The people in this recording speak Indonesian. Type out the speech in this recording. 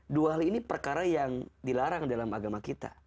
dua hal ini perkara yang dilarang dalam agama kita